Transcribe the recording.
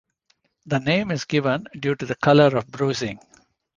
The name is given due to the color of bruising.